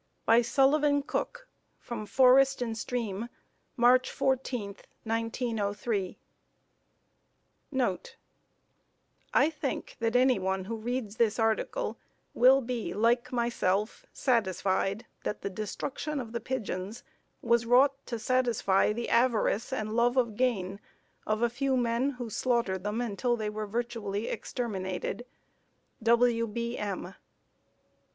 By Sullivan Cook, from "Forest and Stream," March 14, 1903.[D] [Footnote D: I think that anyone who reads this article will be, like myself, satisfied that the destruction of the pigeons was wrought to gratify the avarice and love of gain of a few men who slaughtered them until they were virtually exterminated. W. B. M.